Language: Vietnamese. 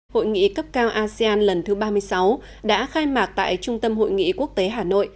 hội nghị cấp cao asean lần thứ ba mươi sáu đã khai mạc tại trung tâm hội nghị quốc tế hà nội